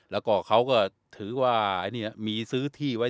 แล้วก็เขาก็ถือว่ามีซื้อที่ไว้